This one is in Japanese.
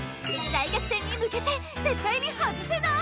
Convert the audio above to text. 大逆転に向けて絶対にはずせない！